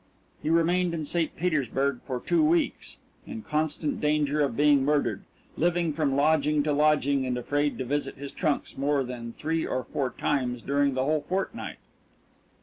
He remained in St. Petersburg for two weeks, in constant danger of being murdered, living from lodging to lodging, and afraid to visit his trunks more than three or four times during the whole fortnight.